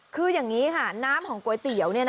คืออย่างนี้ค่ะน้ำของก๋วยเตี๋ยว